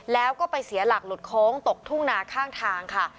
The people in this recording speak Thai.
แล้วก็ไปเสียหลักหลุดโค้งตกทุ่งนาข้างทางค่ะ